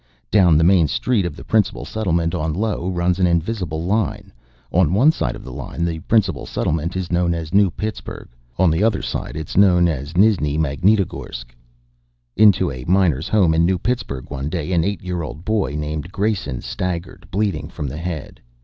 Down the main street of the principal settlement on Io runs an invisible line. On one side of the line, the principal settlement is known as New Pittsburgh. On the other side it is known as Nizhni Magnitogorsk. Into a miner's home in New Pittsburgh one day an eight year old boy named Grayson staggered, bleeding from the head.